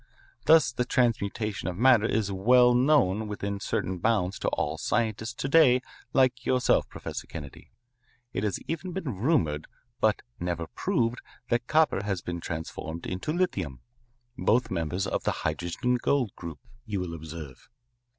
Thus the transmutation of matter is well known within certain bounds to all scientists to day like yourself, Professor Kennedy. It has even been rumoured but never proved that copper has been transformed into lithium both members of the hydrogen gold group, you will observe.